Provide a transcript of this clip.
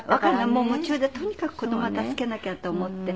もう夢中でとにかく子供は助けなきゃと思って。